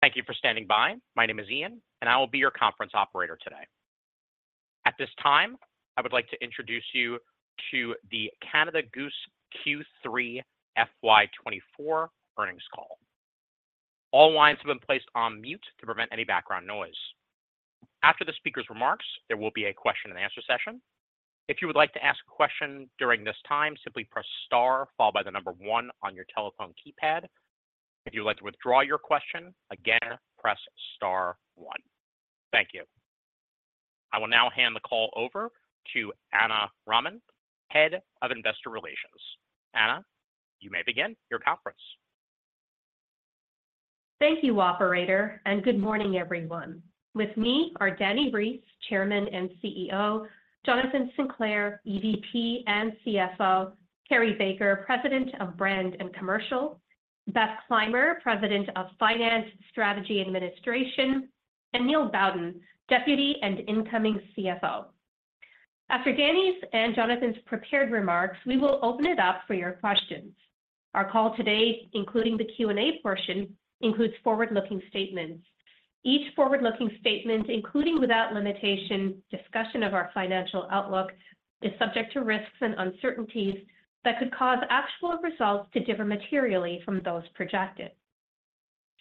Thank you for standing by. My name is Ian, and I will be your conference operator today. At this time, I would like to introduce you to the Canada Goose Q3 FY 2024 earnings call. All lines have been placed on mute to prevent any background noise. After the speaker's remarks, there will be a question and answer session. If you would like to ask a question during this time, simply press star followed by the number one on your telephone keypad. If you'd like to withdraw your question, again, press star one. Thank you. I will now hand the call over to Ana Raman, Head of Investor Relations. Ana, you may begin your conference. Thank you, operator, and good morning, everyone. With me are Dani Reiss, Chairman and CEO; Jonathan Sinclair, EVP and CFO; Carrie Baker, President of Brand and Commercial; Beth Clymer, President of Finance, Strategy, and Administration; and Neil Bowden, Deputy and Incoming CFO. After Dani's and Jonathan's prepared remarks, we will open it up for your questions. Our call today, including the Q&A portion, includes forward-looking statements. Each forward-looking statement, including without limitation, discussion of our financial outlook, is subject to risks and uncertainties that could cause actual results to differ materially from those projected.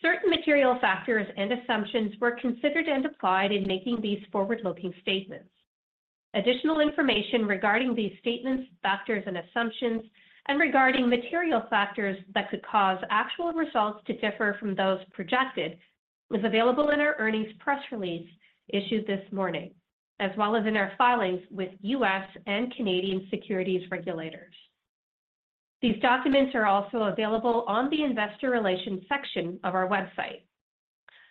Certain material factors and assumptions were considered and applied in making these forward-looking statements. Additional information regarding these statements, factors and assumptions, and regarding material factors that could cause actual results to differ from those projected, is available in our earnings press release issued this morning, as well as in our filings with U.S. and Canadian securities regulators. These documents are also available on the Investor Relations section of our website.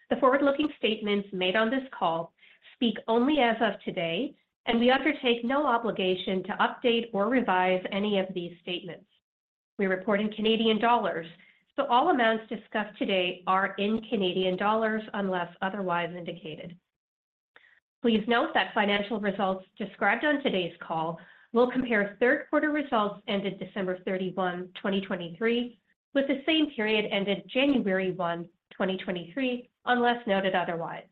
The forward-looking statements made on this call speak only as of today, and we undertake no obligation to update or revise any of these statements. We report in Canadian dollars, so all amounts discussed today are in Canadian dollars, unless otherwise indicated. Please note that financial results described on today's call will compare Q3 results ended December 31, 2023, with the same period ended January 1, 2023, unless noted otherwise.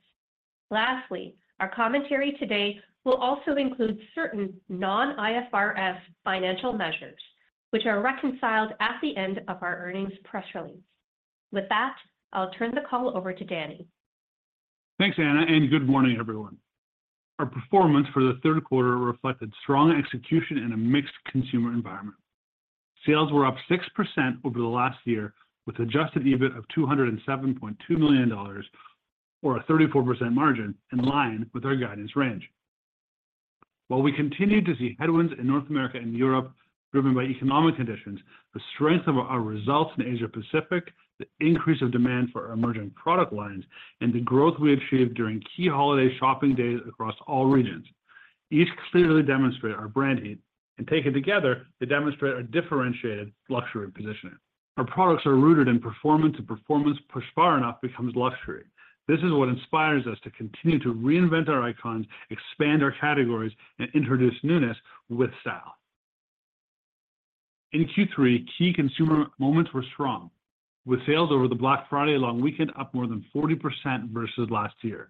Lastly, our commentary today will also include certain non-IFRS financial measures, which are reconciled at the end of our earnings press release. With that, I'll turn the call over to Dani. Thanks, Ana, and good morning, everyone. Our performance for the Q3 reflected strong execution in a mixed consumer environment. Sales were up 6% over the last year, with adjusted EBIT of 207.2 million dollars or a 34% margin in line with our guidance range. While we continued to see headwinds in North America and Europe, driven by economic conditions, the strength of our results in Asia-Pacific, the increase of demand for our emerging product lines, and the growth we achieved during key holiday shopping days across all regions, each clearly demonstrate our brand heat, and taken together, they demonstrate our differentiated luxury positioning. Our products are rooted in performance, and performance, pushed far enough, becomes luxury. This is what inspires us to continue to reinvent our icons, expand our categories, and introduce newness with style. In Q3, key consumer moments were strong, with sales over the Black Friday long weekend up more than 40% versus last year.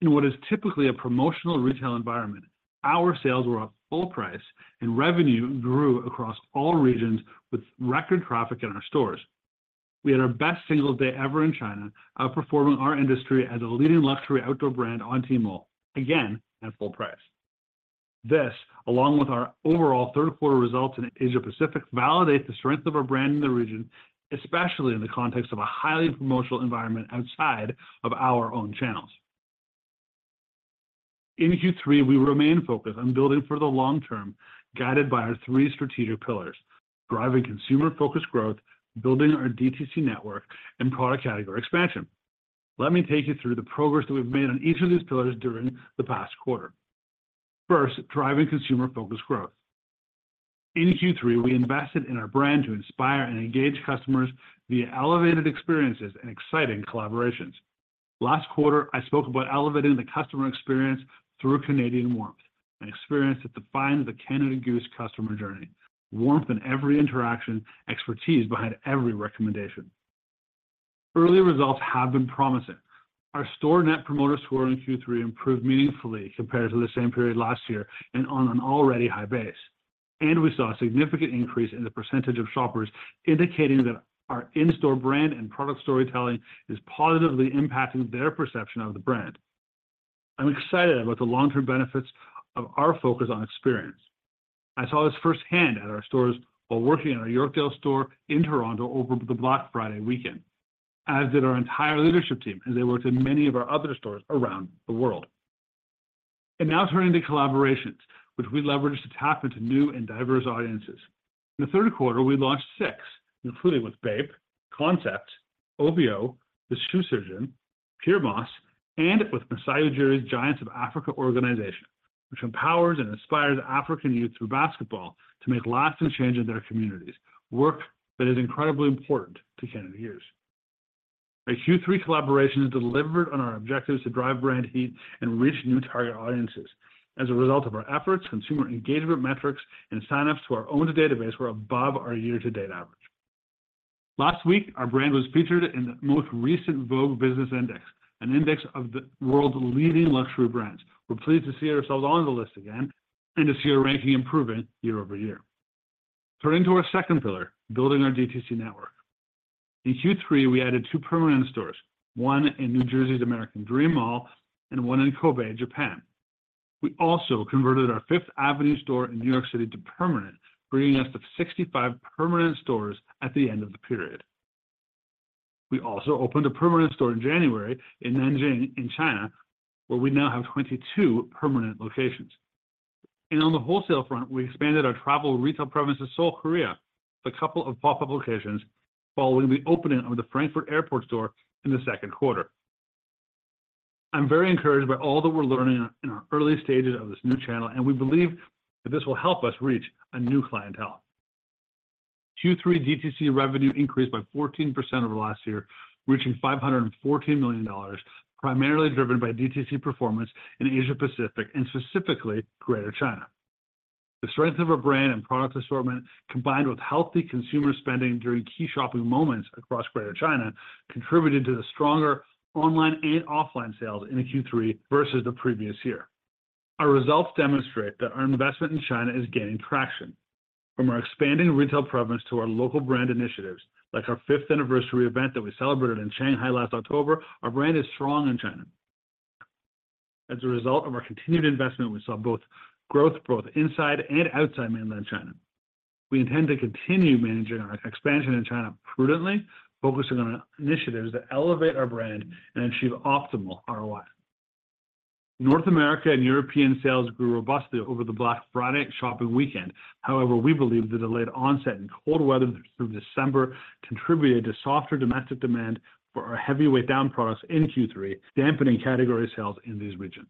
In what is typically a promotional retail environment, our sales were at full price, and revenue grew across all regions with record traffic in our stores. We had our best single day ever in China, outperforming our industry as a leading luxury outdoor brand on Tmall, again, at full price. This, along with our overall Q3 results in Asia-Pacific, validates the strength of our brand in the region, especially in the context of a highly promotional environment outside of our own channels. In Q3, we remained focused on building for the long term, guided by our three strategic pillars: driving consumer-focused growth, building our DTC network, and product category expansion. Let me take you through the progress that we've made on each of these pillars during the past quarter. First, driving consumer-focused growth. In Q3, we invested in our brand to inspire and engage customers via elevated experiences and exciting collaborations. Last quarter, I spoke about elevating the customer experience through Canadian warmth, an experience that defines the Canada Goose customer journey. Warmth in every interaction, expertise behind every recommendation. Early results have been promising. Our store Net Promoter Score in Q3 improved meaningfully compared to the same period last year and on an already high base. We saw a significant increase in the percentage of shoppers, indicating that our in-store brand and product storytelling is positively impacting their perception of the brand. I'm excited about the long-term benefits of our focus on experience. I saw this firsthand at our stores while working in our Yorkdale store in Toronto over the Black Friday weekend, as did our entire leadership team, as they worked in many of our other stores around the world. Now turning to collaborations, which we leveraged to tap into new and diverse audiences. In the Q3, we launched six, including with BAPE, Concepts, OVO, The Shoe Surgeon, Pyer Moss, and with Masai Ujiri's Giants of Africa organization, which empowers and inspires African youth through basketball to make lasting change in their communities, work that is incredibly important to Canada Goose. Our Q3 collaborations delivered on our objectives to drive brand heat and reach new target audiences. As a result of our efforts, consumer engagement metrics and sign-ups to our own database were above our year-to-date average. Last week, our brand was featured in the most recent Vogue Business Index, an index of the world's leading luxury brands. We're pleased to see ourselves on the list again and to see our ranking improving year over year. Turning to our second pillar, building our DTC network. In Q3, we added two permanent stores, one in New Jersey's American Dream Mall and one in Kobe, Japan. We also converted our Fifth Avenue store in New York City to permanent, bringing us to 65 permanent stores at the end of the period. We also opened a permanent store in January in Nanjing, in China, where we now have 22 permanent locations. On the wholesale front, we expanded our travel retail presence to Seoul, Korea, with a couple of pop-up locations following the opening of the Frankfurt Airport store in the Q3. I'm very encouraged by all that we're learning in our early stages of this new channel, and we believe that this will help us reach a new clientele. Q3 DTC revenue increased by 14% over last year, reaching 514 million dollars, primarily driven by DTC performance in Asia Pacific and specifically Greater China. The strength of our brand and product assortment, combined with healthy consumer spending during key shopping moments across Greater China, contributed to the stronger online and offline sales in the Q3 versus the previous year. Our results demonstrate that our investment in China is gaining traction. From our expanding retail presence to our local brand initiatives, like our fifth anniversary event that we celebrated in Shanghai last October, our brand is strong in China. As a result of our continued investment, we saw both growth both inside and outside Mainland China. We intend to continue managing our expansion in China prudently, focusing on initiatives that elevate our brand and achieve optimal ROI. North America and European sales grew robustly over the Black Friday shopping weekend. However, we believe the delayed onset and cold weather through December contributed to softer domestic demand for our heavyweight down products in Q3, dampening category sales in these regions.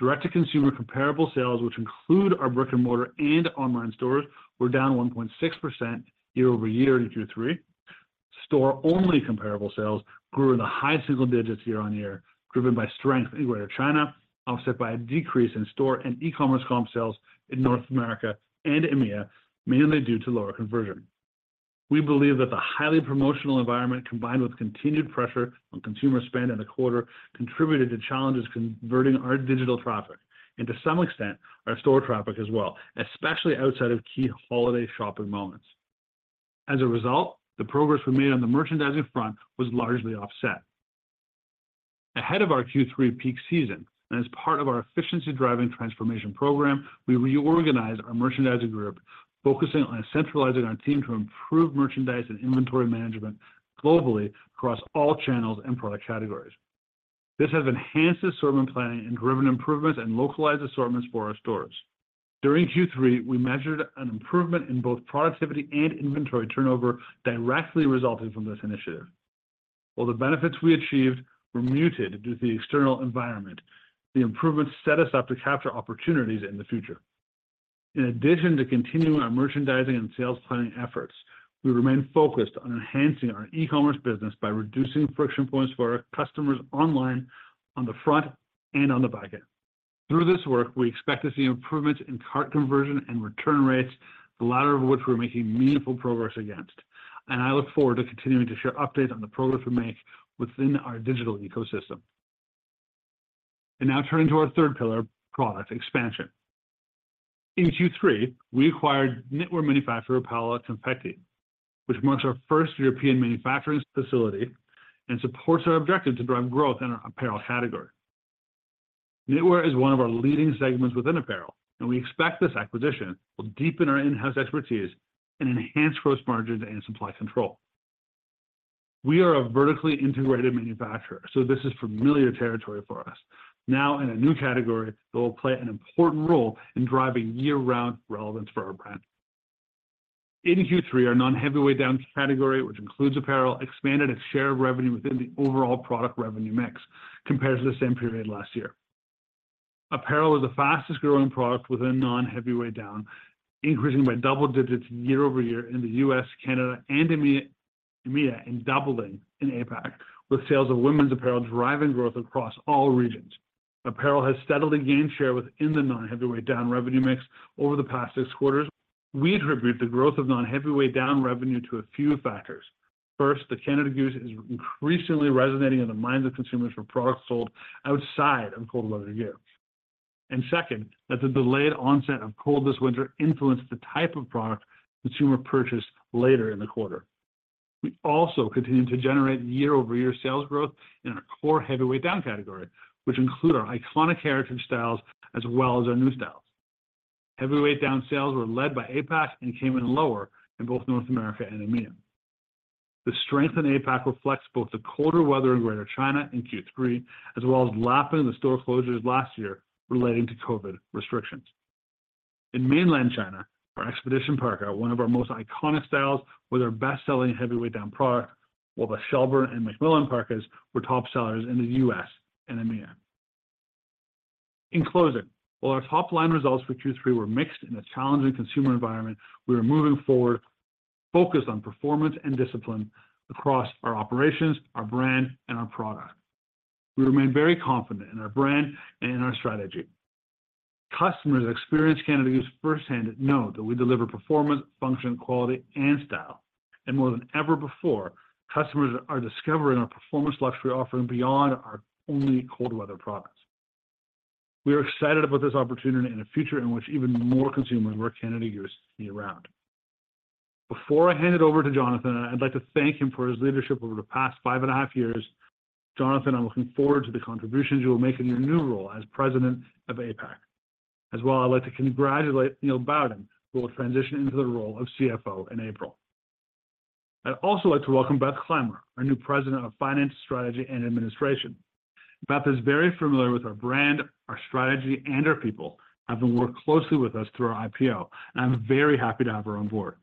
Direct-to-consumer comparable sales, which include our brick-and-mortar and online stores, were down 1.6% year-over-year in Q3. Store-only comparable sales grew in the high single digits year-over-year, driven by strength in Greater China, offset by a decrease in store and e-commerce comp sales in North America and EMEA, mainly due to lower conversion. We believe that the highly promotional environment, combined with continued pressure on consumer spend in the quarter, contributed to challenges converting our digital traffic and to some extent, our store traffic as well, especially outside of key holiday shopping moments. As a result, the progress we made on the merchandising front was largely offset. Ahead of our Q3 peak season and as part of our efficiency-driving Transformation Program, we reorganized our merchandising group, focusing on centralizing our team to improve merchandise and inventory management globally across all channels and product categories. This has enhanced assortment planning and driven improvements in localized assortments for our stores. During Q3, we measured an improvement in both productivity and inventory turnover directly resulting from this initiative. While the benefits we achieved were muted due to the external environment, the improvements set us up to capture opportunities in the future. In addition to continuing our merchandising and sales planning efforts, we remain focused on enhancing our e-commerce business by reducing friction points for our customers online, on the front and on the back end. Through this work, we expect to see improvements in cart conversion and return rates, the latter of which we're making meaningful progress against, and I look forward to continuing to share updates on the progress we make within our digital ecosystem. I now turn to our third pillar, product expansion. In Q3, we acquired knitwear manufacturer, Paola Confectii, which marks our first European manufacturing facility and supports our objective to drive growth in our apparel category. Knitwear is one of our leading segments within apparel, and we expect this acquisition will deepen our in-house expertise and enhance gross margins and supply control. We are a vertically integrated manufacturer, so this is familiar territory for us. Now, in a new category, it will play an important role in driving year-round relevance for our brand. In Q3, our non-heavyweight down category, which includes apparel, expanded its share of revenue within the overall product revenue mix compared to the same period last year. Apparel is the fastest-growing product within non-heavyweight down, increasing by double digits year-over-year in the US, Canada, and EMEA, and doubling in APAC, with sales of women's apparel driving growth across all regions. Apparel has steadily gained share within the non-heavyweight down revenue mix over the past six quarters. We attribute the growth of non-heavyweight down revenue to a few factors. First, Canada Goose is increasingly resonating in the minds of consumers for products sold outside of cold weather gear. And second, that the delayed onset of cold this winter influenced the type of product consumers purchased later in the quarter. We also continued to generate year-over-year sales growth in our core heavyweight down category, which include our iconic heritage styles as well as our new styles. Heavyweight down sales were led by APAC and came in lower in both North America and EMEA. The strength in APAC reflects both the colder weather in Greater China in Q3, as well as lapping the store closures last year relating to COVID restrictions. In Mainland China, our Expedition Parka, one of our most iconic styles, was our best-selling heavyweight down product, while the Shelburne and McMillan Parkas were top sellers in the U.S. and EMEA. In closing, while our top-line results for Q3 were mixed in a challenging consumer environment, we are moving forward, focused on performance and discipline across our operations, our brand, and our product. We remain very confident in our brand and in our strategy. Customers experience Canada Goose firsthand know that we deliver performance, function, quality, and style. More than ever before, customers are discovering our performance luxury offering beyond our only cold weather products. We are excited about this opportunity and a future in which even more consumers wear Canada Goose year-round. Before I hand it over to Jonathan, I'd like to thank him for his leadership over the past five and a half years. Jonathan, I'm looking forward to the contributions you will make in your new role as President of APAC. As well, I'd like to congratulate Neil Bowden, who will transition into the role of CFO in April. I'd also like to welcome Beth Clymer, our new President of Finance, Strategy, and Administration. Beth is very familiar with our brand, our strategy, and our people, having worked closely with us through our IPO, and I'm very happy to have her on board.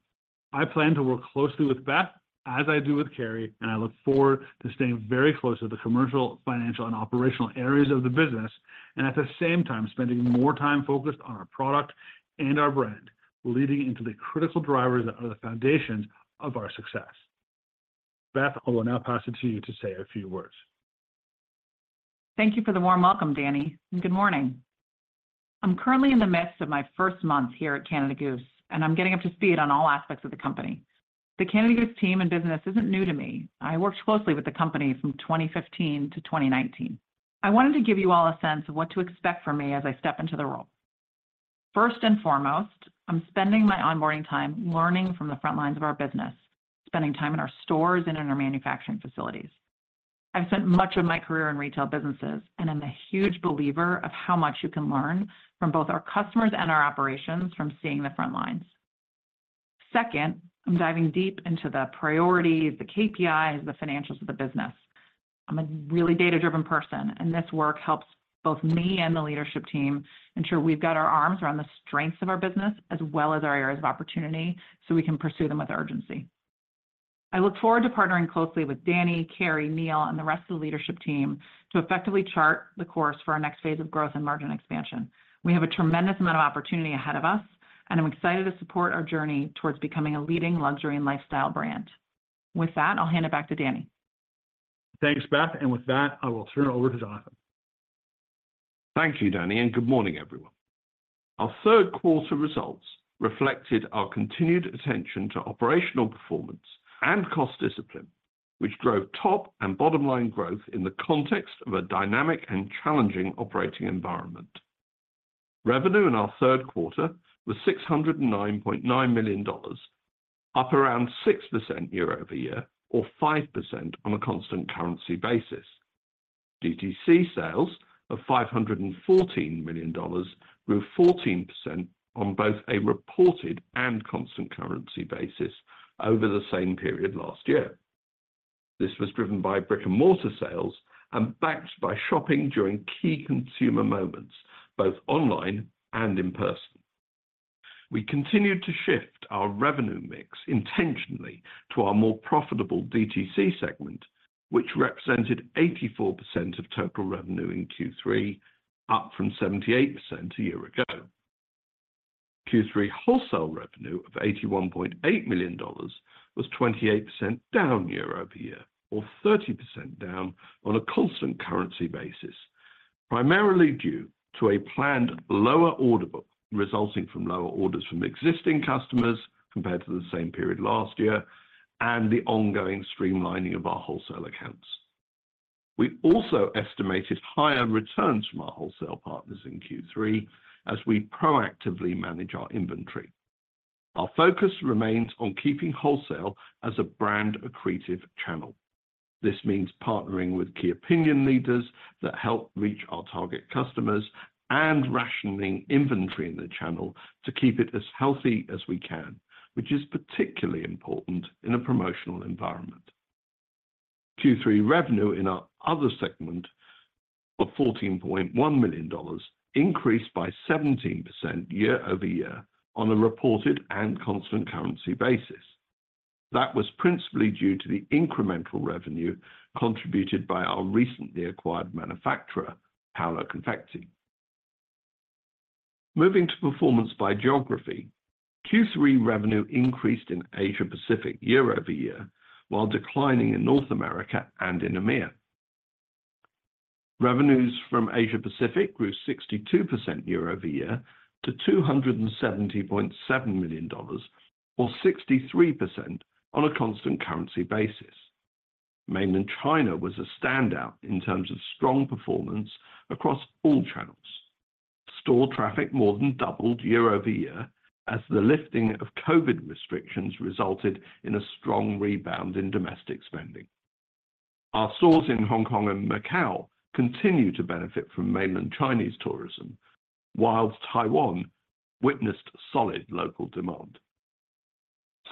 I plan to work closely with Beth, as I do with Carrie, and I look forward to staying very close to the commercial, financial, and operational areas of the business, and at the same time, spending more time focused on our product and our brand, leaning into the critical drivers that are the foundations of our success. Beth, I will now pass it to you to say a few words. Thank you for the warm welcome, Dani. Good morning. I'm currently in the midst of my first month here at Canada Goose, and I'm getting up to speed on all aspects of the company. The Canada Goose team and business isn't new to me. I worked closely with the company from 2015 to 2019. I wanted to give you all a sense of what to expect from me as I step into the role. First and foremost, I'm spending my onboarding time learning from the front lines of our business, spending time in our stores and in our manufacturing facilities. I've spent much of my career in retail businesses, and I'm a huge believer of how much you can learn from both our customers and our operations from seeing the front lines. Second, I'm diving deep into the priorities, the KPIs, the financials of the business. I'm a really data-driven person, and this work helps both me and the leadership team ensure we've got our arms around the strengths of our business as well as our areas of opportunity, so we can pursue them with urgency. I look forward to partnering closely with Dani, Carrie, Neil, and the rest of the leadership team to effectively chart the course for our next phase of growth and margin expansion. We have a tremendous amount of opportunity ahead of us, and I'm excited to support our journey towards becoming a leading luxury and lifestyle brand. With that, I'll hand it back to Dani. Thanks, Beth, and with that, I will turn it over to Jonathan. Thank you, Dani, and good morning, everyone. Our Q3 results reflected our continued attention to operational performance and cost discipline, which drove top and bottom line growth in the context of a dynamic and challenging operating environment. Revenue in our Q3 was 609.9 million dollars, up around 6% year-over-year, or 5% on a constant currency basis. DTC sales of 514 million dollars grew 14% on both a reported and constant currency basis over the same period last year. This was driven by brick-and-mortar sales and backed by shopping during key consumer moments, both online and in person. We continued to shift our revenue mix intentionally to our more profitable DTC segment, which represented 84% of total revenue in Q3, up from 78% a year ago. Q3 wholesale revenue of 81.8 million dollars was 28% down year-over-year, or 30% down on a constant currency basis, primarily due to a planned lower order book, resulting from lower orders from existing customers compared to the same period last year, and the ongoing streamlining of our wholesale accounts. We also estimated higher returns from our wholesale partners in Q3 as we proactively manage our inventory. Our focus remains on keeping wholesale as a brand accretive channel. This means partnering with key opinion leaders that help reach our target customers and rationing inventory in the channel to keep it as healthy as we can, which is particularly important in a promotional environment. Q3 revenue in our other segment of 14.1 million dollars increased by 17% year-over-year on a reported and constant currency basis. That was principally due to the incremental revenue contributed by our recently acquired manufacturer, Paulo Confecci. Moving to performance by geography, Q3 revenue increased in Asia Pacific year-over-year, while declining in North America and in EMEA. Revenues from Asia Pacific grew 62% year-over-year to $270.7 million, or 63% on a constant currency basis. Mainland China was a standout in terms of strong performance across all channels. Store traffic more than doubled year-over-year, as the lifting of COVID restrictions resulted in a strong rebound in domestic spending. Our stores in Hong Kong and Macau continue to benefit from Mainland Chinese tourism, while Taiwan witnessed solid local demand.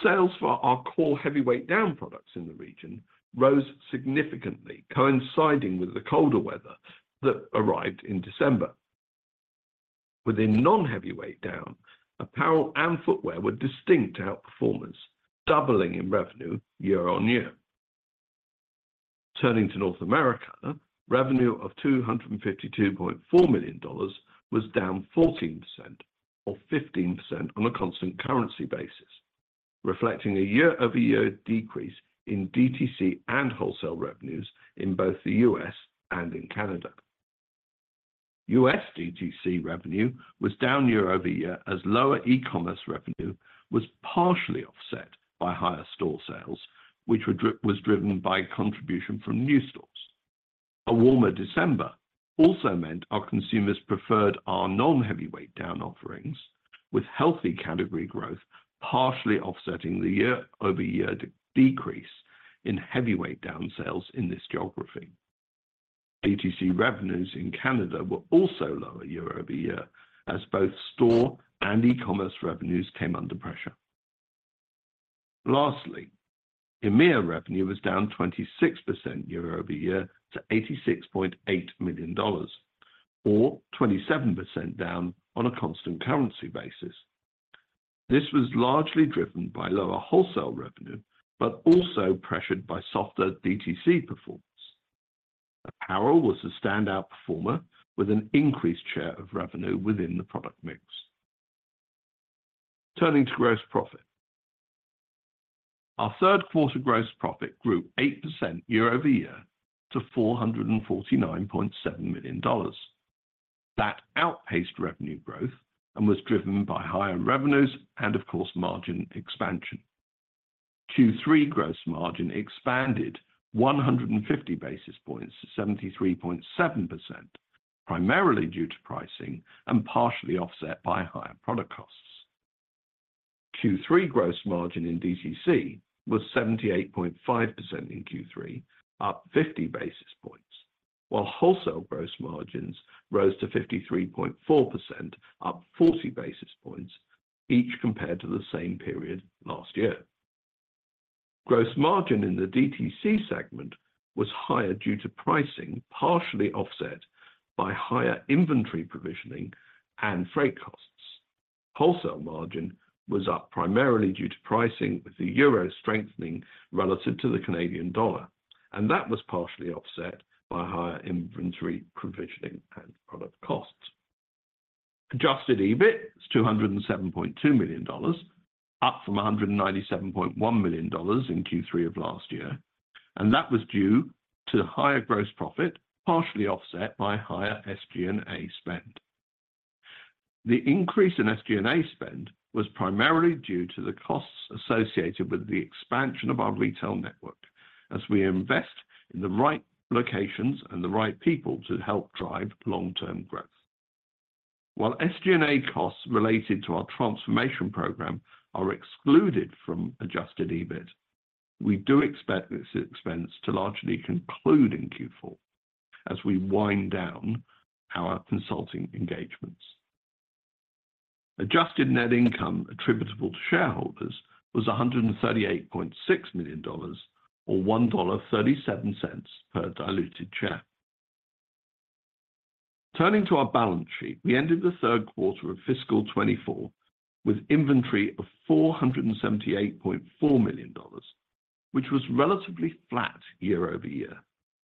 Sales for our core heavyweight down products in the region rose significantly, coinciding with the colder weather that arrived in December. Within non-heavyweight down, apparel and footwear were distinct outperformance, doubling in revenue year-over-year. Turning to North America, revenue of 252.4 million dollars was down 14% or 15% on a constant currency basis, reflecting a year-over-year decrease in DTC and wholesale revenues in both the U.S. and in Canada. US DTC revenue was down year-over-year, as lower e-commerce revenue was partially offset by higher store sales, which was driven by contribution from new stores. A warmer December also meant our consumers preferred our non-heavyweight down offerings, with healthy category growth partially offsetting the year-over-year decrease in heavyweight down sales in this geography. DTC revenues in Canada were also lower year-over-year, as both store and e-commerce revenues came under pressure. Lastly, EMEA revenue was down 26% year-over-year to 86.8 million dollars, or 27% down on a constant currency basis. This was largely driven by lower wholesale revenue, but also pressured by softer DTC performance. Apparel was the standout performer with an increased share of revenue within the product mix. Turning to gross profit. Our Q3 gross profit grew 8% year-over-year to 449.7 million dollars. That outpaced revenue growth and was driven by higher revenues and of course, margin expansion. Q3 gross margin expanded 150 basis points to 73.7%, primarily due to pricing and partially offset by higher product costs. Q3 gross margin in DTC was 78.5% in Q3, up 50 basis points, while wholesale gross margins rose to 53.4%, up 40 basis points, each compared to the same period last year. Gross margin in the DTC segment was higher due to pricing, partially offset by higher inventory provisioning and freight costs. Wholesale margin was up primarily due to pricing, with the euro strengthening relative to the Canadian dollar, and that was partially offset by higher inventory provisioning and product costs. Adjusted EBIT is 207.2 million dollars, up from 197.1 million dollars in Q3 of last year, and that was due to the higher gross profit, partially offset by higher SG&A spend. The increase in SG&A spend was primarily due to the costs associated with the expansion of our retail network, as we invest in the right locations and the right people to help drive long-term growth. While SG&A costs related to our transformation program are excluded from adjusted EBIT, we do expect this expense to largely conclude in Q4 as we wind down our consulting engagements. Adjusted net income attributable to shareholders was 138.6 million dollars or 1.37 dollar per diluted share. Turning to our balance sheet, we ended the Q3 of fiscal 2024 with inventory of 478.4 million dollars, which was relatively flat year-over-year,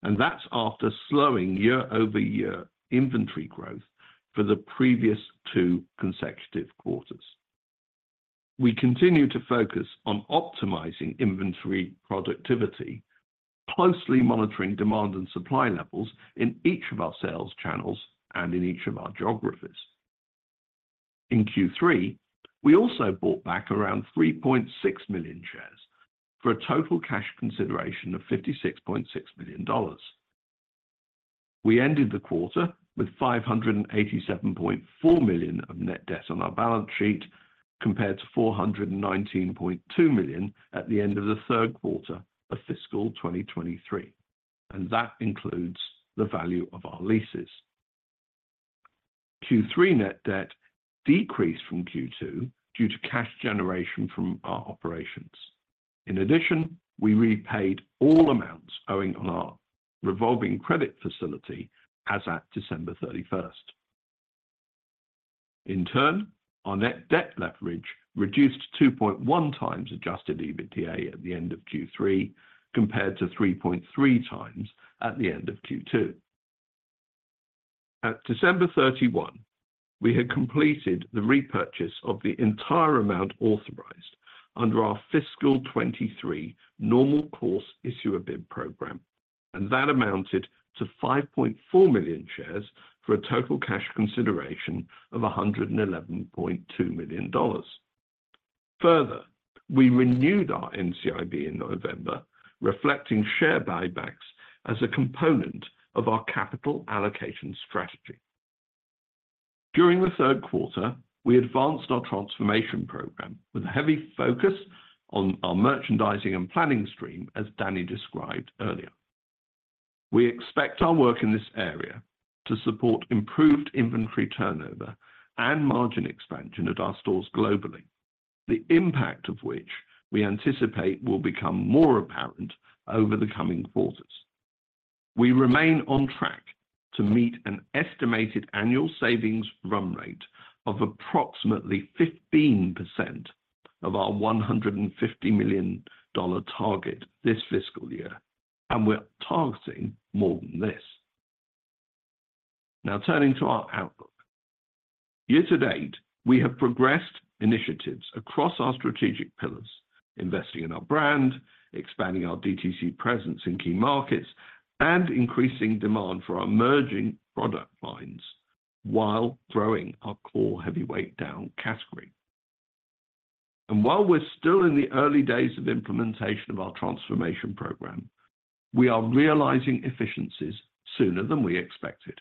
and that's after slowing year-over-year inventory growth for the previous two consecutive quarters. We continue to focus on optimizing inventory productivity, closely monitoring demand and supply levels in each of our sales channels and in each of our geographies. In Q3, we also bought back around 3.6 million shares for a total cash consideration of 56.6 million dollars. We ended the quarter with 587.4 million of net debt on our balance sheet, compared to 419.2 million at the end of the Q3 of fiscal 2023, and that includes the value of our leases. Q3 net debt decreased from Q2 due to cash generation from our operations. In addition, we repaid all amounts owing on our revolving credit facility as at December 31st. In turn, our net debt leverage reduced to 2.1x Adjusted EBITDA at the end of Q3, compared to 3.3x at the end of Q2. At December 31, we had completed the repurchase of the entire amount authorized under our fiscal 2023 normal course issuer bid program, and that amounted to 5.4 million shares for a total cash consideration of 111.2 million dollars. Further, we renewed our NCIB in November, reflecting share buybacks as a component of our capital allocation strategy. During the Q3, we advanced our Transformation Program with a heavy focus on our merchandising and planning stream, as Dani described earlier. We expect our work in this area to support improved inventory turnover and margin expansion at our stores globally, the impact of which we anticipate will become more apparent over the coming quarters. We remain on track to meet an estimated annual savings run rate of approximately 15% of our 150 million dollar target this fiscal year, and we're targeting more than this. Now turning to our outlook. Year to date, we have progressed initiatives across our strategic pillars, investing in our brand, expanding our DTC presence in key markets, and increasing demand for our emerging product lines while growing our core Heavyweight Down category. And while we're still in the early days of implementation of our Transformation Program, we are realizing efficiencies sooner than we expected.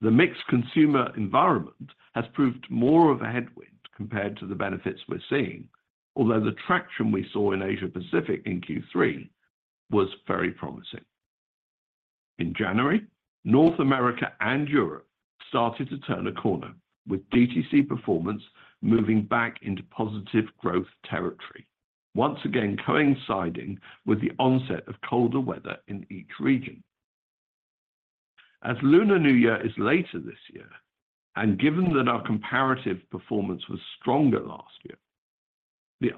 The mixed consumer environment has proved more of a headwind compared to the benefits we're seeing, although the traction we saw in Asia Pacific in Q3 was very promising. In January, North America and Europe started to turn a corner, with DTC performance moving back into positive growth territory, once again coinciding with the onset of colder weather in each region. As Lunar New Year is later this year, and given that our comparative performance was stronger last year,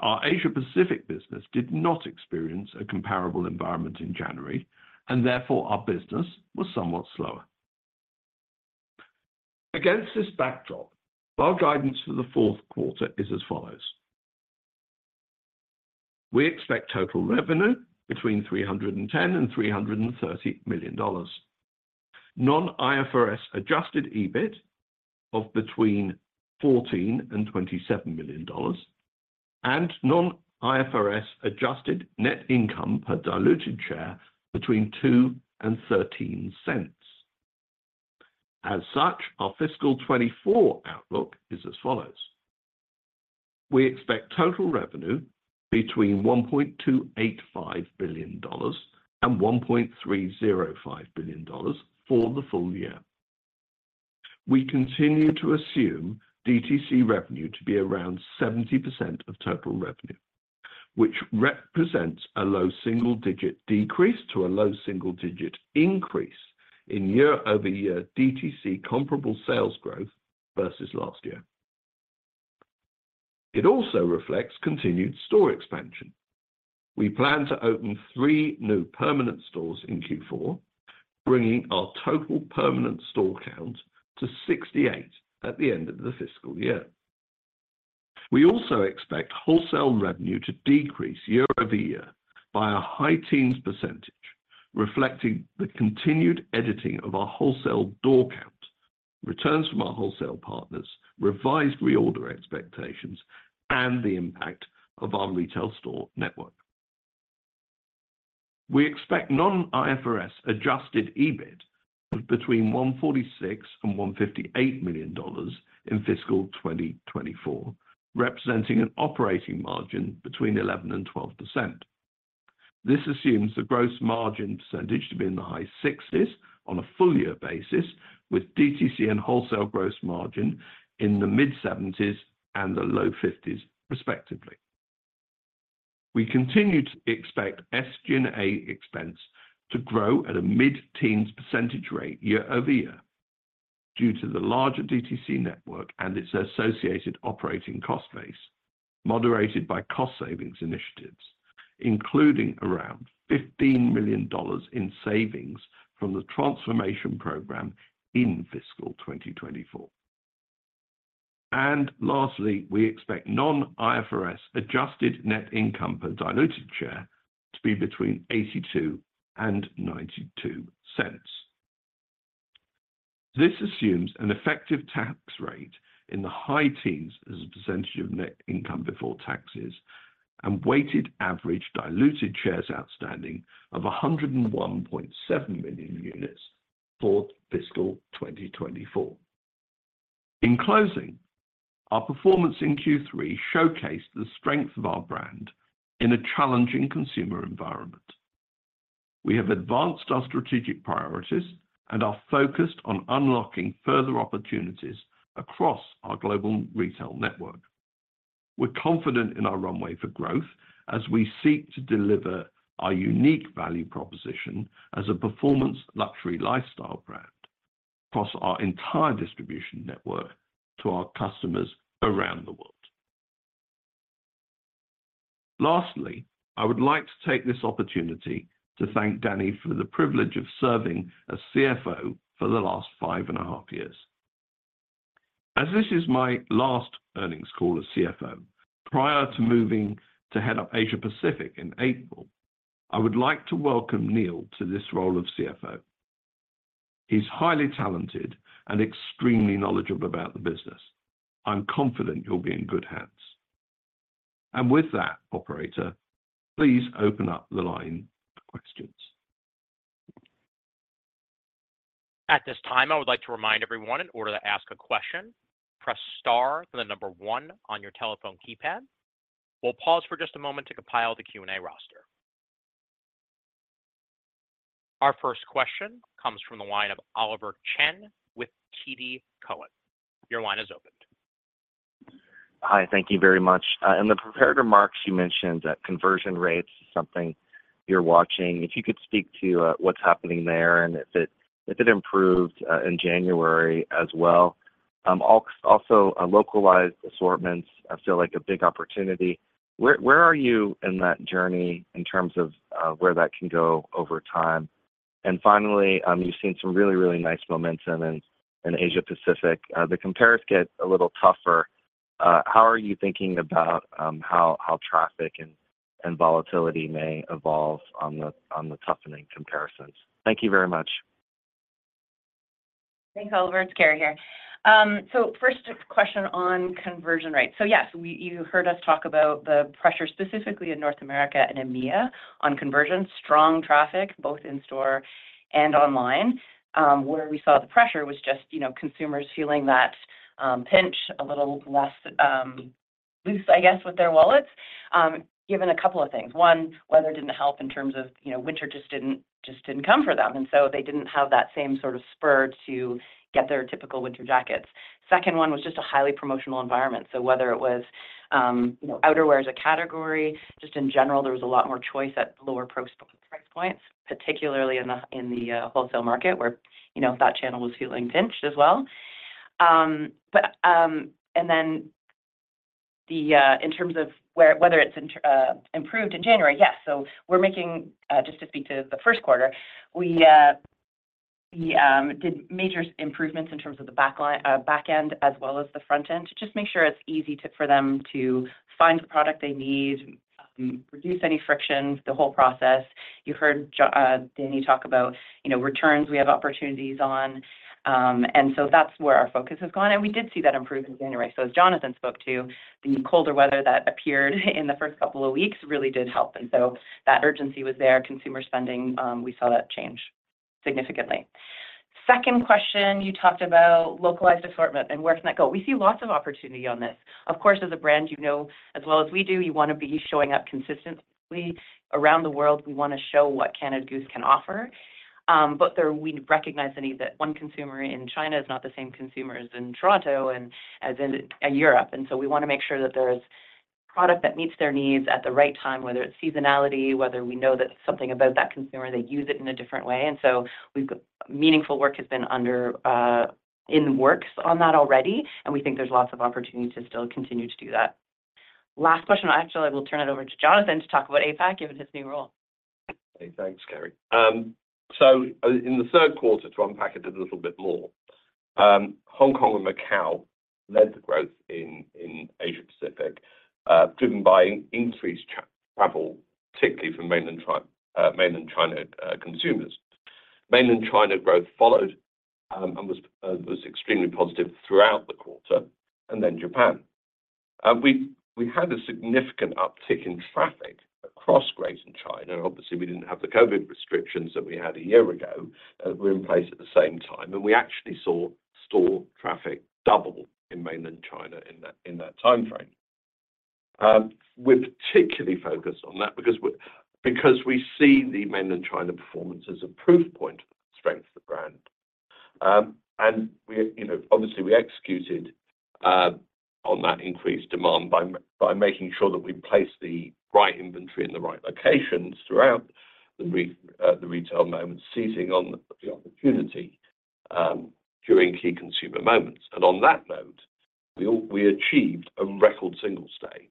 our Asia Pacific business did not experience a comparable environment in January, and therefore our business was somewhat slower. Against this backdrop, our guidance for the Q4 is as follows: We expect total revenue between 310 million and 330 million dollars. Non-IFRS adjusted EBIT of between 14 million and 27 million dollars, and non-IFRS adjusted net income per diluted share between 0.02 and 0.13. As such, our fiscal 2024 outlook is as follows: We expect total revenue between 1.285 billion dollars and 1.305 billion dollars for the full year. We continue to assume DTC revenue to be around 70% of total revenue, which represents a low single-digit decrease to a low single-digit increase in year-over-year DTC comparable sales growth versus last year. It also reflects continued store expansion. We plan to open three new permanent stores in Q4, bringing our total permanent store count to 68 at the end of the fiscal year. We also expect wholesale revenue to decrease year over year by a high teens %, reflecting the continued editing of our wholesale door count, returns from our wholesale partners, revised reorder expectations, and the impact of our retail store network. We expect non-IFRS adjusted EBIT of between 146 million and 158 million dollars in fiscal 2024, representing an operating margin between 11% and 12%. This assumes the gross margin percentage to be in the high 60s on a full year basis, with DTC and wholesale gross margin in the mid-70s and the low 50s, respectively. We continue to expect SG&A expense to grow at a mid-teens % rate year-over-year, due to the larger DTC network and its associated operating cost base, moderated by cost savings initiatives, including around 15 million dollars in savings from the transformation program in fiscal 2024. Lastly, we expect non-IFRS adjusted net income per diluted share to be between 0.82 and 0.92. This assumes an effective tax rate in the high teens% as a percentage of net income before taxes and weighted average diluted shares outstanding of 101.7 million units for fiscal 2024. In closing, our performance in Q3 showcased the strength of our brand in a challenging consumer environment. We have advanced our strategic priorities and are focused on unlocking further opportunities across our global retail network. We're confident in our runway for growth as we seek to deliver our unique value proposition as a performance luxury lifestyle brand across our entire distribution network to our customers around the world. Lastly, I would like to take this opportunity to thank Dani for the privilege of serving as CFO for the last five and a half years. As this is my last earnings call as CFO, prior to moving to head up Asia Pacific in April, I would like to welcome Neil to this role of CFO. He's highly talented and extremely knowledgeable about the business. I'm confident you'll be in good hands. With that, operator, please open up the line for questions. At this time, I would like to remind everyone, in order to ask a question, press star, then the number one on your telephone keypad. We'll pause for just a moment to compile the Q&A roster. Our first question comes from the line of Oliver Chen with TD Cowen. Your line is open. Hi, thank you very much. In the prepared remarks, you mentioned that conversion rates is something you're watching. If you could speak to what's happening there and if it improved in January as well? Also, localized assortments, I feel like a big opportunity. Where are you in that journey in terms of where that can go over time? And finally, you've seen some really, really nice momentum in Asia Pacific. The compares get a little tougher. How are you thinking about how traffic and volatility may evolve on the toughening comparisons? Thank you very much. Thanks, Oliver. It's Carrie here. So first question on conversion rates. So yes, you heard us talk about the pressure, specifically in North America and EMEA, on conversion. Strong traffic, both in store and online. Where we saw the pressure was just, you know, consumers feeling that pinch a little less loose, I guess, with their wallets, given a couple of things. One, weather didn't help in terms of, you know, winter just didn't, just didn't come for them, and so they didn't have that same sort of spur to get their typical winter jackets. Second one was just a highly promotional environment. So whether it was, you know, outerwear as a category, just in general, there was a lot more choice at lower price points, particularly in the wholesale market, where, you know, that channel was feeling pinched as well. And then in terms of whether it's improved in January, yes. So we're making, just to speak to the Q1, we did major improvements in terms of the back end as well as the front end, to just make sure it's easy for them to find the product they need, reduce any friction, the whole process. You heard Dani talk about, you know, returns we have opportunities on. And so that's where our focus has gone, and we did see that improve in January. So as Jonathan spoke to, the colder weather that appeared in the first couple of weeks really did help, and so that urgency was there. Consumer spending, we saw that change significantly. Second question, you talked about localized assortment and where can that go? We see lots of opportunity on this. Of course, as a brand, you know as well as we do, you wanna be showing up consistently around the world. We wanna show what Canada Goose can offer. But there we recognize the need that one consumer in China is not the same consumer as in Toronto and as in Europe. And so we wanna make sure that there's product that meets their needs at the right time, whether it's seasonality, whether we know that something about that consumer, they use it in a different way. Meaningful work has been underway in the works on that already, and we think there's lots of opportunity to still continue to do that. Last question, actually, I will turn it over to Jonathan to talk about APAC, given his new role. Hey, thanks, Carrie. So in the Q3, to unpack it a little bit more, Hong Kong and Macau led the growth in Asia Pacific, driven by increased travel, particularly from Mainland China consumers. Mainland China growth followed, and was extremely positive throughout the quarter, and then Japan. We had a significant uptick in traffic across Greater China. Obviously, we didn't have the COVID restrictions that we had a year ago were in place at the same time, and we actually saw store traffic double in Mainland China in that time frame. We're particularly focused on that because we see the Mainland China performance as a proof point of strength of the brand. And we, you know, obviously, we executed on that increased demand by making sure that we placed the right inventory in the right locations throughout the retail moment, seizing on the opportunity during key consumer moments. And on that note, we achieved a record Singles' Day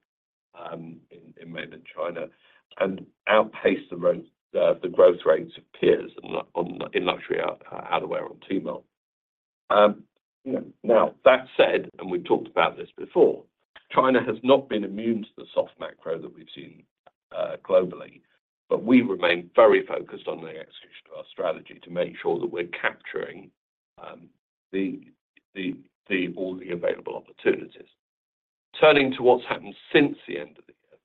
in Mainland China and outpaced the growth rates of peers in luxury outerwear on Tmall. You know, now, that said, and we've talked about this before, China has not been immune to the soft macro that we've seen globally, but we remain very focused on the execution of our strategy to make sure that we're capturing all the available opportunities. Turning to what's happened since the end of the year,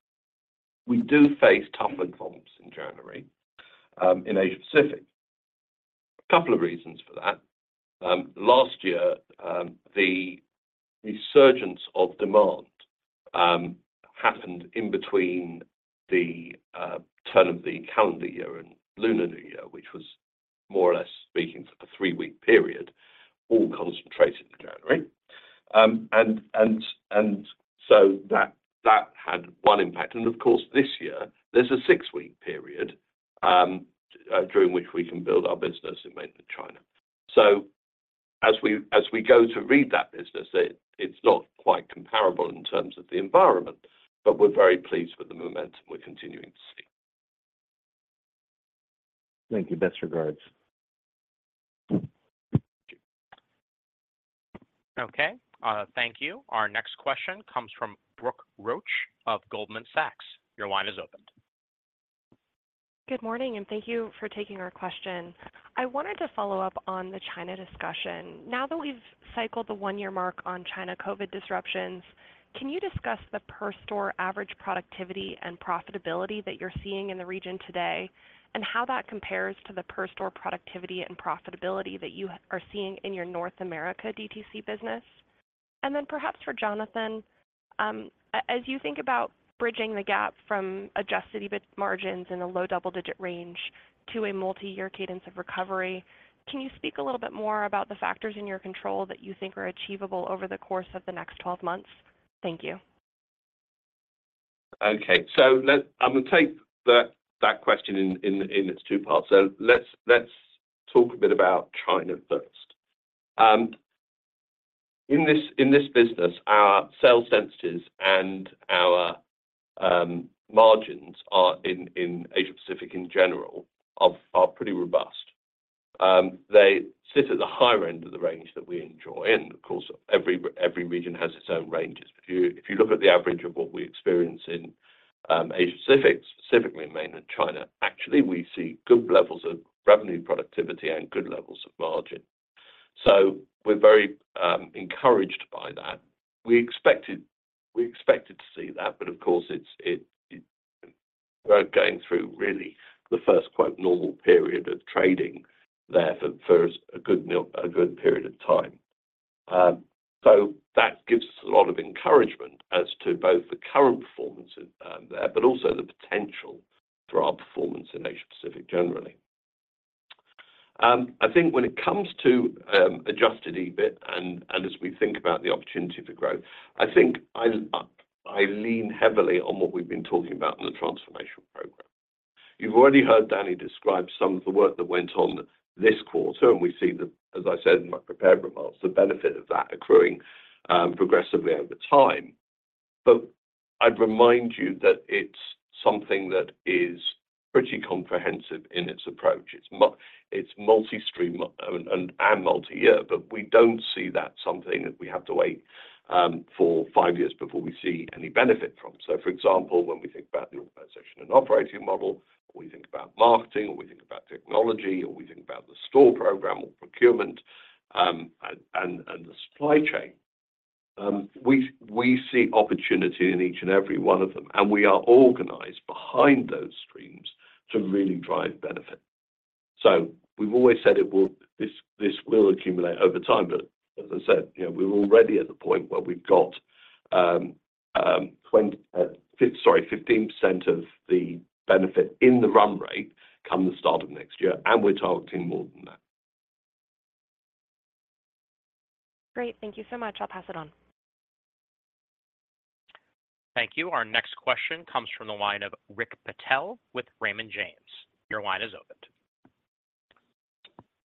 we do face tougher comps in January in Asia Pacific. A couple of reasons for that. Last year, the resurgence of demand happened in between the turn of the calendar year and Lunar New Year, which was more or less speaking for a three-week period, all concentrated in January. And so that had one impact. And of course, this year there's a six-week period during which we can build our business in Mainland China. So as we go to read that business, it's not quite comparable in terms of the environment, but we're very pleased with the momentum we're continuing to see. Thank you. Best regards. Okay, thank you. Our next question comes from Brooke Roach of Goldman Sachs. Your line is open. Good morning, and thank you for taking our question. I wanted to follow up on the China discussion. Now that we've cycled the one-year mark on China COVID disruptions, can you discuss the per store average productivity and profitability that you're seeing in the region today, and how that compares to the per store productivity and profitability that you are seeing in your North America DTC business? And then perhaps for Jonathan, as you think about bridging the gap from adjusted EBIT margins in a low double-digit range to a multi-year cadence of recovery, can you speak a little bit more about the factors in your control that you think are achievable over the course of the next 12 months? Thank you. Okay, so let's, I'm gonna take that question in its two parts. So let's talk a bit about China first. In this business, our sales density and our margins in Asia Pacific in general are pretty robust. They sit at the higher end of the range that we enjoy, and of course, every region has its own ranges. If you look at the average of what we experience in Asia Pacific, specifically in Mainland China, actually, we see good levels of revenue productivity and good levels of margin. So we're very encouraged by that. We expected to see that, but of course, it's, we're going through really the first quite normal period of trading there for a good period of time. So that gives us a lot of encouragement as to both the current performance there, but also the potential for our performance in Asia Pacific generally. I think when it comes to Adjusted EBIT and as we think about the opportunity for growth, I think I lean heavily on what we've been talking about in the Transformation Program. You've already heard Dani describe some of the work that went on this quarter, and we see, as I said, in my prepared remarks, the benefit of that accruing progressively over time. But I'd remind you that it's something that is pretty comprehensive in its approach. It's multi-stream and multi-year, but we don't see that something that we have to wait for five years before we see any benefit from. So, for example, when we think about the organization and operating model, or we think about marketing, or we think about technology, or we think about the store program or procurement, and the supply chain, we see opportunity in each and every one of them, and we are organized behind those streams to really drive benefit. So we've always said it will, this, this will accumulate over time, but as I said, you know, we're already at the point where we've got 15% of the benefit in the run rate come the start of next year, and we're targeting more than that. Great, thank you so much. I'll pass it on. Thank you. Our next question comes from the line of Rick Patel with Raymond James. Your line is open.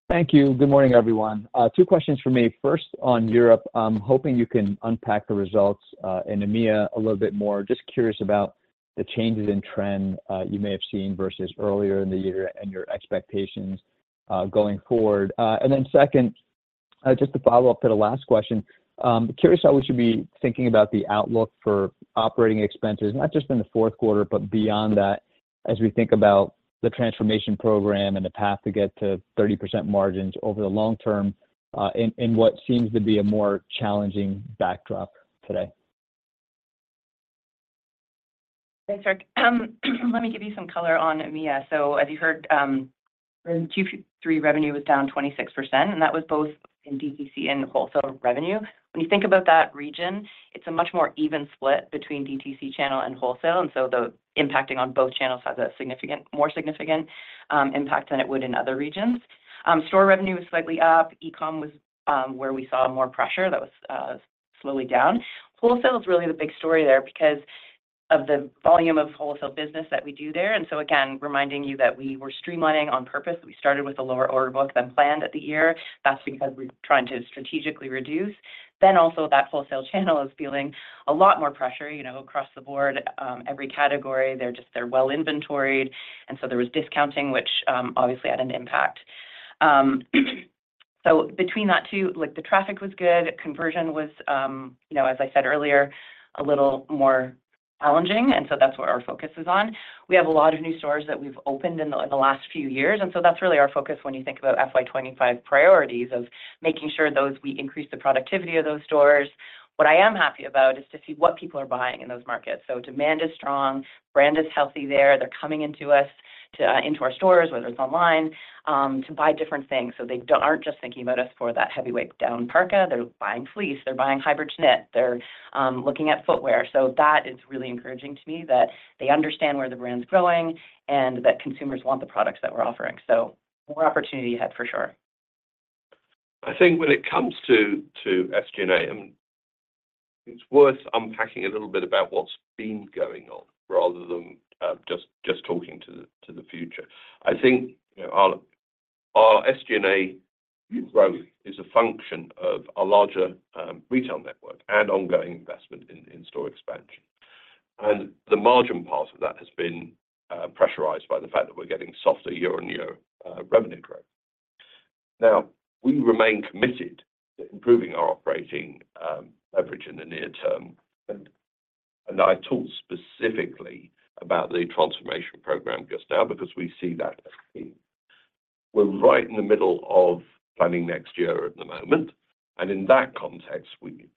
Thank you. Good morning, everyone. Two questions for me. First, on Europe, I'm hoping you can unpack the results in EMEA a little bit more. Just curious about the changes in trend you may have seen versus earlier in the year and your expectations going forward. And then second, just to follow up to the last question, curious how we should be thinking about the outlook for operating expenses, not just in the Q4, but beyond that, as we think about the Transformation Program and the path to get to 30% margins over the long term, in what seems to be a more challenging backdrop today. Thanks, Rick. Let me give you some color on EMEA. So as you heard, in Q3, revenue was down 26%, and that was both in DTC and wholesale revenue. When you think about that region, it's a much more even split between DTC channel and wholesale, and so the impacting on both channels has a significant, more significant, impact than it would in other regions. Store revenue was slightly up. E-com was where we saw more pressure that was slowly down. Wholesale is really the big story there because of the volume of wholesale business that we do there. And so again, reminding you that we were streamlining on purpose. We started with a lower order book than planned at the year. That's because we're trying to strategically reduce. Then also, that wholesale channel is feeling a lot more pressure, you know, across the board, every category. They're just, they're well inventoried, and so there was discounting, which, obviously had an impact. So between that two, like the traffic was good, conversion was, you know, as I said earlier, a little more challenging, and so that's what our focus is on. We have a lot of new stores that we've opened in the last few years, and so that's really our focus when you think about FY 2025 priorities of making sure those. We increase the productivity of those stores. What I am happy about is to see what people are buying in those markets. So demand is strong, brand is healthy there. They're coming into us, to, into our stores, whether it's online, to buy different things. So they aren't just thinking about us for that heavyweight down parka. They're buying fleece, they're buying hybrid knit, they're looking at footwear. So that is really encouraging to me, that they understand where the brand's going and that consumers want the products that we're offering. So more opportunity ahead for sure. I think when it comes to SG&A, it's worth unpacking a little bit about what's been going on rather than just talking to the future. I think, you know, our SG&A growth is a function of a larger retail network and ongoing investment in store expansion. And the margin part of that has been pressurized by the fact that we're getting softer year-over-year revenue growth. Now, we remain committed to improving our operating leverage in the near term, and I talked specifically about the Transformation Program just now because we see that. We're right in the middle of planning next year at the moment, and in that context, we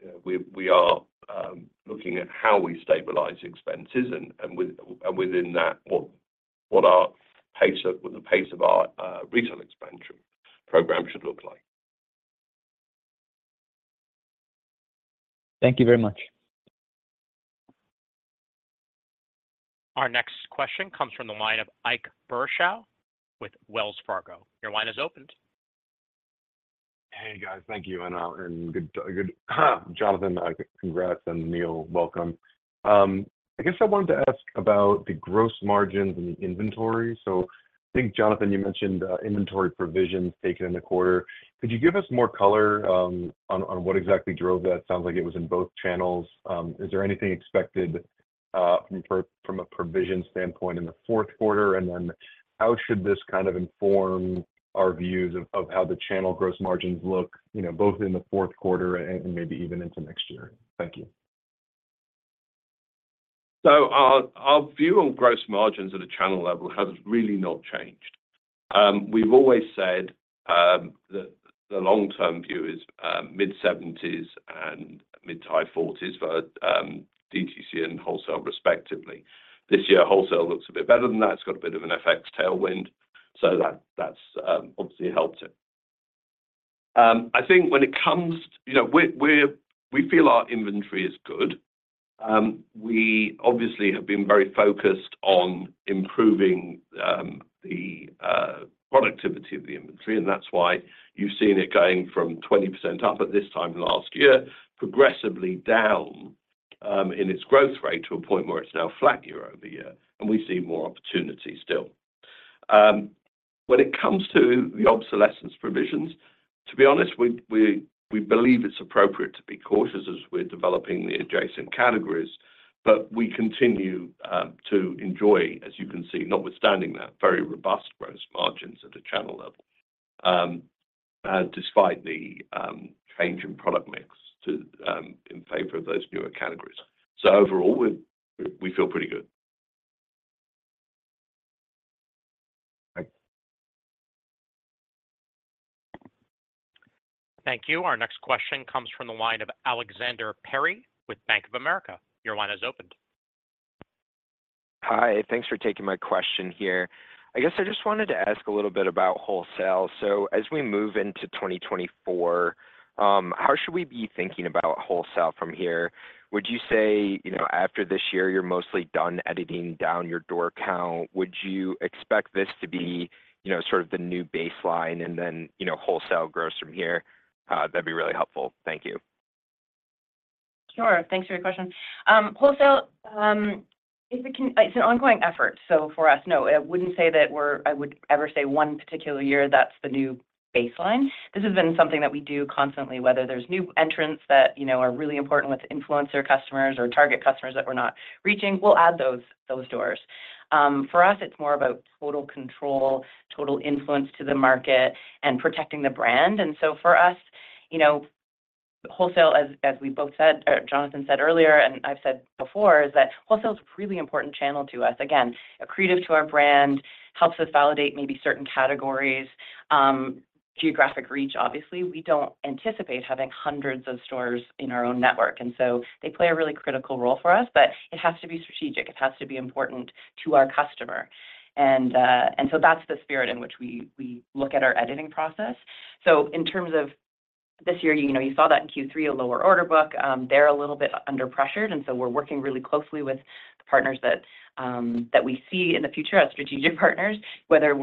are looking at how we stabilize expenses and within that, what the pace of our retail expansion program should look like. Thank you very much. Our next question comes from the line of Ike Boruchow with Wells Fargo. Your line is opened. Hey, guys. Thank you, and good, Jonathan, congrats, and Neil, welcome. I guess I wanted to ask about the gross margins and the inventory. So I think, Jonathan, you mentioned, inventory provisions taken in the quarter. Could you give us more color, on what exactly drove that? Sounds like it was in both channels. Is there anything expected, from a provision standpoint in the Q4? And then how should this kind of inform our views of, how the channel gross margins look, you know, both in the Q4 and maybe even into next year? Thank you. So our view on gross margins at a channel level has really not changed. We've always said that the long-term view is mid-70s% and mid-high 40s% for DTC and wholesale, respectively. This year, wholesale looks a bit better than that. It's got a bit of an FX tailwind, so that's obviously helped it. I think when it comes... You know, we feel our inventory is good. We obviously have been very focused on improving the productivity of the inventory, and that's why you've seen it going from 20% up at this time last year, progressively down in its growth rate to a point where it's now flat year-over-year, and we see more opportunity still. When it comes to the obsolescence provisions, to be honest, we believe it's appropriate to be cautious as we're developing the adjacent categories, but we continue to enjoy, as you can see, notwithstanding that, very robust gross margins at a channel level, despite the change in product mix to in favor of those newer categories. So overall, we feel pretty good. Thanks. Thank you. Our next question comes from the line of Alexander Perry with Bank of America. Your line is opened. Hi, thanks for taking my question here. I guess I just wanted to ask a little bit about wholesale. So as we move into 2024, how should we be thinking about wholesale from here? Would you say, you know, after this year, you're mostly done editing down your door count? Would you expect this to be, you know, sort of the new baseline and then, you know, wholesale grows from here? That'd be really helpful. Thank you. Sure. Thanks for your question. Wholesale, if we can, it's an ongoing effort, so for us, no, I wouldn't say that we're, I would ever say one particular year, that's the new baseline. This has been something that we do constantly, whether there's new entrants that, you know, are really important with influencer customers or target customers that we're not reaching, we'll add those doors. For us, it's more about total control, total influence to the market, and protecting the brand. And so for us, you know, wholesale, as we both said, or Jonathan said earlier, and I've said before, is that wholesale is a really important channel to us. Again, accretive to our brand, helps us validate maybe certain categories, geographic reach. Obviously, we don't anticipate having hundreds of stores in our own network, and so they play a really critical role for us, but it has to be strategic. It has to be important to our customer. And, and so that's the spirit in which we, we look at our editing process. So in terms of this year, you know, you saw that in Q3, a lower order book, they're a little bit under pressured, and so we're working really closely with the partners that, that we see in the future as strategic partners, whether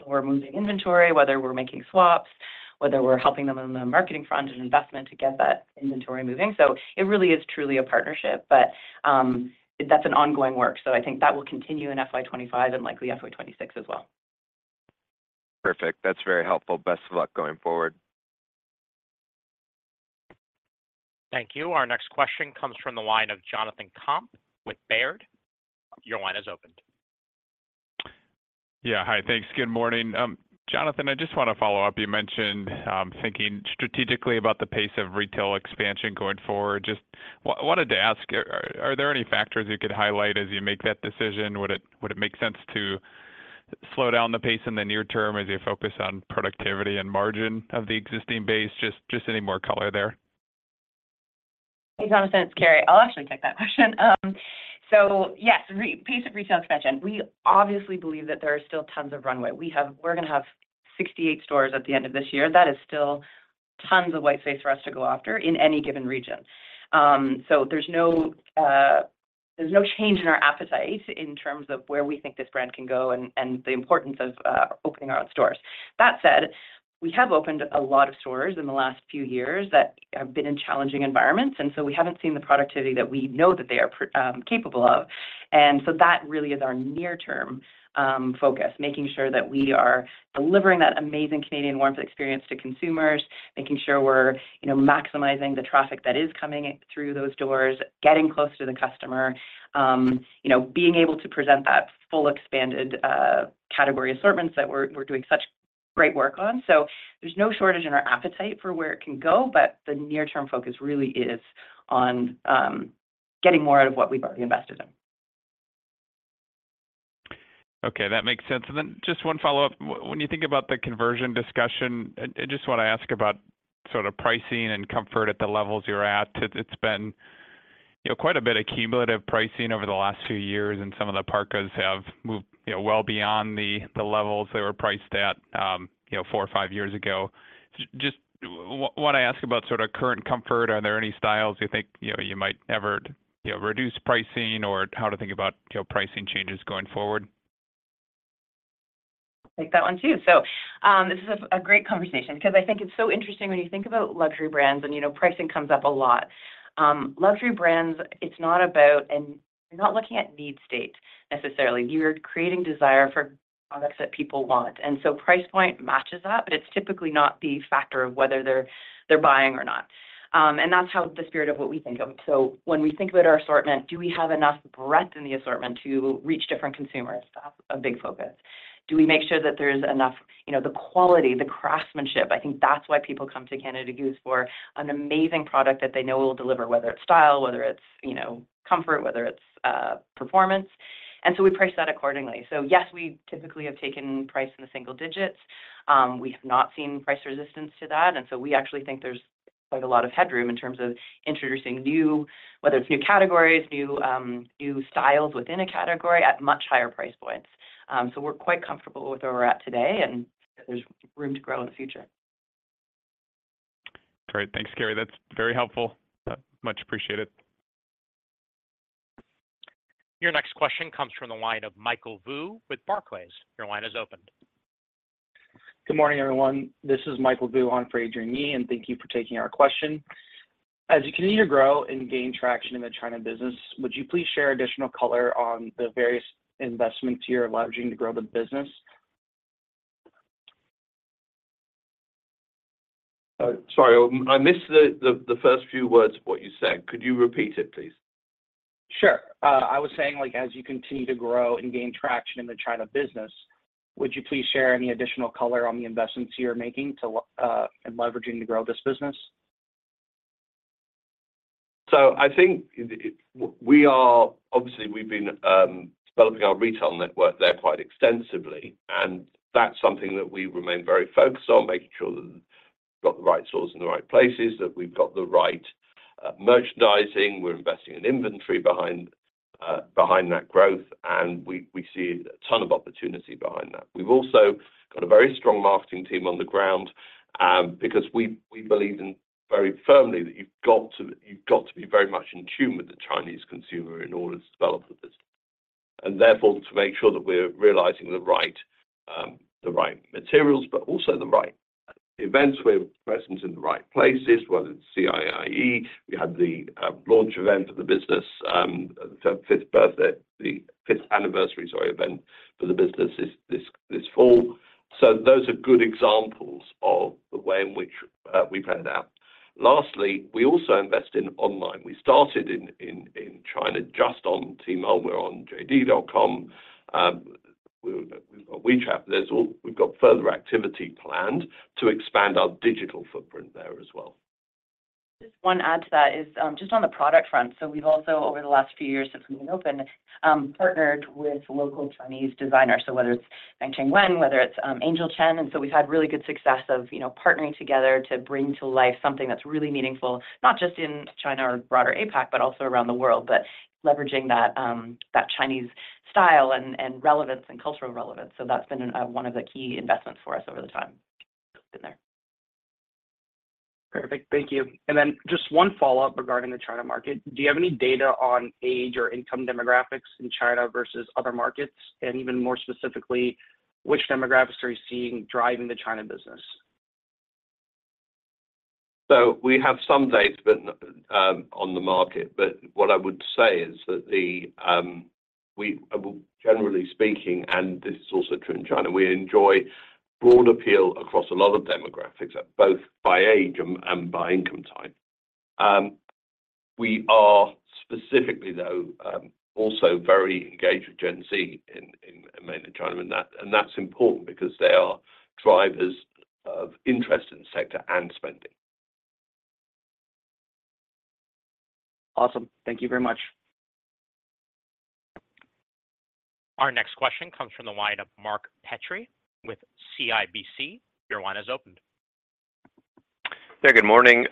we're, you know, helping them move, returns or moving inventory, whether we're making swaps, whether we're helping them on the marketing front and investment to get that inventory moving. So it really is truly a partnership, but, that's an ongoing work. I think that will continue in FY 2025 and likely FY 2026 as well. Perfect. That's very helpful. Best of luck going forward. Thank you. Our next question comes from the line of Jonathan Komp with Baird. Your line is opened. Yeah, hi. Thanks. Good morning. Jonathan, I just want to follow up. You mentioned thinking strategically about the pace of retail expansion going forward. Just wanted to ask, are there any factors you could highlight as you make that decision? Would it make sense to slow down the pace in the near term as you focus on productivity and margin of the existing base? Just any more color there. Hey, Jonathan, it's Carrie. I'll actually take that question. So yes, pace of retail expansion. We obviously believe that there are still tons of runway. We're gonna have 68 stores at the end of this year. That is still tons of white space for us to go after in any given region. So there's no, there's no change in our appetite in terms of where we think this brand can go and, and the importance of opening our own stores. That said, we have opened a lot of stores in the last few years that have been in challenging environments, and so we haven't seen the productivity that we know that they are capable of. That really is our near-term focus, making sure that we are delivering that amazing Canadian warmth experience to consumers, making sure we're, you know, maximizing the traffic that is coming in through those doors, getting close to the customer, you know, being able to present that full expanded category assortments that we're, we're doing such great work on. So there's no shortage in our appetite for where it can go, but the near-term focus really is on getting more out of what we've already invested in. Okay, that makes sense. And then just one follow-up. When you think about the conversion discussion, I just want to ask about sort of pricing and comfort at the levels you're at. It's been, you know, quite a bit of cumulative pricing over the last few years, and some of the parkas have moved, you know, well beyond the levels they were priced at, you know, four or five years ago. Just wanna ask about sort of current comfort. Are there any styles you think, you know, you might ever, you know, reduce pricing or how to think about, you know, pricing changes going forward? I'll take that one, too. So, this is a great conversation because I think it's so interesting when you think about luxury brands, and, you know, pricing comes up a lot. Luxury brands, it's not about... and you're not looking at need state necessarily, you're creating desire for products that people want. And so price point matches that, but it's typically not the factor of whether they're buying or not. And that's how the spirit of what we think of. So when we think about our assortment, do we have enough breadth in the assortment to reach different consumers? That's a big focus. Do we make sure that there's enough, you know, the quality, the craftsmanship? I think that's why people come to Canada Goose for an amazing product that they know will deliver, whether it's style, whether it's, you know, comfort, whether it's performance, and so we price that accordingly. So yes, we typically have taken price in the single digits. We have not seen price resistance to that, and so we actually think there's quite a lot of headroom in terms of introducing new, whether it's new categories, new, new styles within a category at much higher price points. So we're quite comfortable with where we're at today, and there's room to grow in the future. Great. Thanks, Carrie. That's very helpful. Much appreciated. Your next question comes from the line of Michael Vu with Barclays. Your line is opened. Good morning, everyone. This is Michael Vu on for Adrienne Yih, and thank you for taking our question. As you continue to grow and gain traction in the China business, would you please share additional color on the various investments you're leveraging to grow the business? Sorry, I missed the first few words of what you said. Could you repeat it, please? Sure. I was saying, like, as you continue to grow and gain traction in the China business, would you please share any additional color on the investments you're making to and leveraging to grow this business? So, I think we are obviously we've been developing our retail network there quite extensively, and that's something that we remain very focused on, making sure that we've got the right stores in the right places, that we've got the right merchandising. We're investing in inventory behind that growth, and we see a ton of opportunity behind that. We've also got a very strong marketing team on the ground, because we believe very firmly that you've got to be very much in tune with the Chinese consumer in order to develop the business. And therefore, to make sure that we're realizing the right materials, but also the right events. We're present in the right places, whether it's CIIE. We had the launch event for the business for fifth birthday, the fifth anniversary, sorry, event for the business this fall. So those are good examples of the way in which we planned out. Lastly, we also invest in online. We started in China just on Tmall, we're on JD.com, we've got WeChat. There's all we've got further activity planned to expand our digital footprint there as well. Just one add to that is, just on the product front. So we've also, over the last few years since we've been open, partnered with local Chinese designers. So whether it's Feng Chen Wang, whether it's, Angel Chen. And so we've had really good success of, you know, partnering together to bring to life something that's really meaningful, not just in China or broader APAC, but also around the world, but leveraging that, that Chinese style and, and relevance, and cultural relevance. So that's been, one of the key investments for us over the time in there. Perfect. Thank you. And then just one follow-up regarding the China market. Do you have any data on age or income demographics in China versus other markets? And even more specifically, which demographics are you seeing driving the China business? We have some data on the market, but what I would say is that, well, generally speaking, and this is also true in China, we enjoy broad appeal across a lot of demographics, both by age and by income type. We are specifically, though, also very engaged with Gen Z in Mainland China. And that's important because they are drivers of interest in the sector and spending. Awesome. Thank you very much. Our next question comes from the line of Mark Petrie with CIBC. Your line is opened. Yeah, good morning.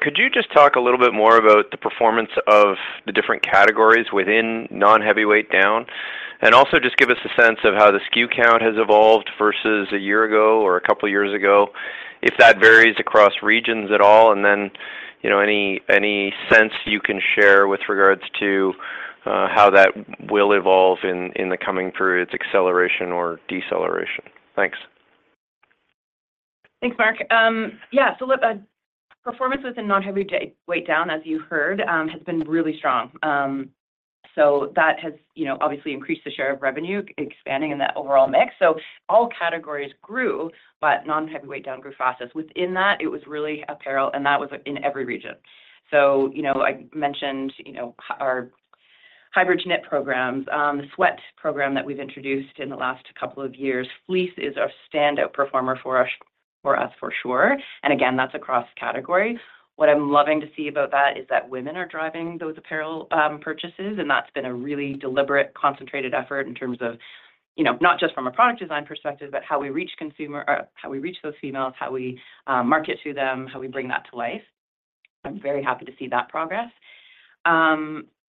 Could you just talk a little bit more about the performance of the different categories within Non-Heavyweight Down? And also just give us a sense of how the SKU count has evolved versus a year ago or a couple of years ago, if that varies across regions at all. And then, you know, any, any sense you can share with regards to how that will evolve in the coming periods, acceleration or deceleration? Thanks. Thanks, Mark. Yeah, so look, performance within Non-Heavyweight Down, as you heard, has been really strong. So that has, you know, obviously increased the share of revenue expanding in that overall mix. So all categories grew, but Non-Heavyweight Down grew fastest. Within that, it was really apparel, and that was in every region. So, you know, I mentioned, you know, our hybrid knit programs, the sweat program that we've introduced in the last couple of years. Fleece is our standout performer for us, for us, for sure, and again, that's across category. What I'm loving to see about that is that women are driving those apparel purchases, and that's been a really deliberate, concentrated effort in terms of, you know, not just from a product design perspective, but how we reach consumer or how we reach those females, how we market to them, how we bring that to life. I'm very happy to see that progress.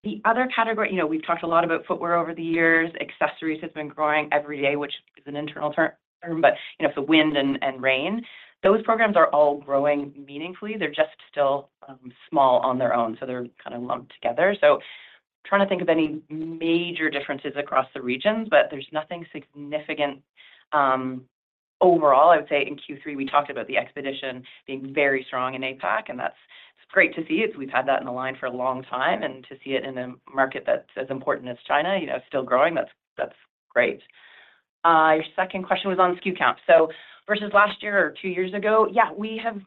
The other category, you know, we've talked a lot about footwear over the years. Accessories has been growing every day, which is an internal term, but, you know, for wind and rain, those programs are all growing meaningfully. They're just still small on their own, so they're kinda lumped together. So trying to think of any major differences across the regions, but there's nothing significant. Overall, I would say in Q3, we talked about the Expedition being very strong in APAC, and that's great to see as we've had that in the line for a long time, and to see it in a market that's as important as China, you know, still growing, that's, that's great. Your second question was on SKU count. So versus last year or two years ago, yeah, we have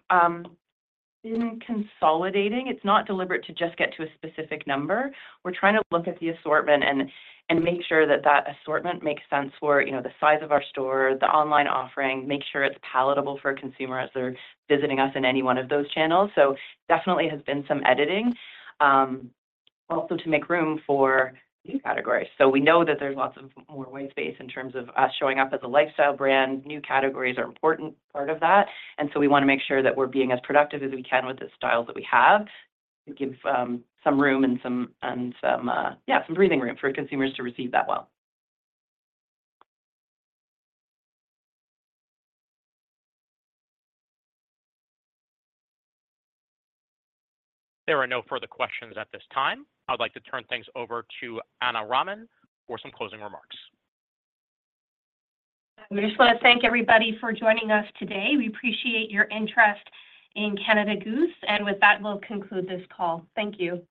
been consolidating. It's not deliberate to just get to a specific number. We're trying to look at the assortment and make sure that that assortment makes sense for, you know, the size of our store, the online offering, make sure it's palatable for a consumer as they're visiting us in any one of those channels. So definitely has been some editing, also to make room for new categories. So we know that there's lots of more white space in terms of us showing up as a lifestyle brand. New categories are important part of that, and so we wanna make sure that we're being as productive as we can with the styles that we have to give some breathing room for consumers to receive that well. There are no further questions at this time. I'd like to turn things over to Ana Raman for some closing remarks. We just wanna thank everybody for joining us today. We appreciate your interest in Canada Goose, and with that, we'll conclude this call. Thank you.